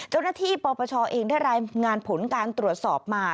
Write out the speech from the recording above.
เจ้าหน้าที่ปปชเองได้รายงานผลการตรวจสอบมา